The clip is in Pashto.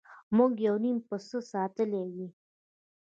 موږ یو نیم پسه ساتلی وي.